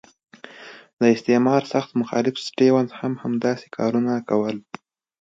استعمار سخت مخالف سټیونز هم همداسې کارونه کول.